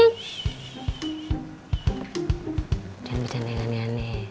jangan bercanda dengan yanni